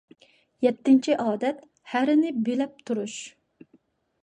يەتتىنچى ئادەت، ھەرىنى بىلەپ تۇرۇش.